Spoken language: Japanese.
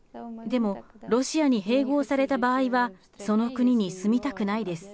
でも、ロシアに併合された場合は、その国に住みたくないです。